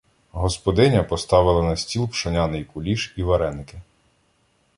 Господиня поставила на стіл пшоняний куліш і вареники.